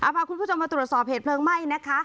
พาคุณผู้ชมมาตรวจสอบเหตุเพลิงไหม้นะคะ